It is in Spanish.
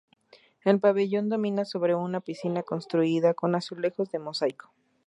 El Pabellón domina sobre una piscina construida con azulejos de mosaico.